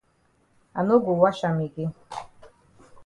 I no go wash am again.